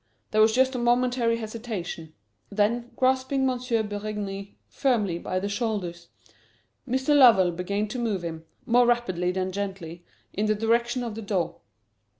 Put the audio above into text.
There was just a momentary hesitation. Then, grasping M. Berigny firmly by the shoulders, Mr. Lovell began to move him, more rapidly than gently, in the direction of the door.